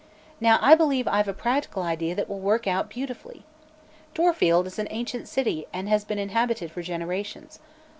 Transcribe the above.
Now, I believe I've a practical idea that will work out beautifully. Dorfield is an ancient city and has been inhabited for generations.